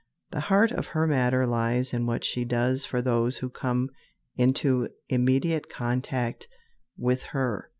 The heart of her matter lies in what she does for those who come into immediate contact with her.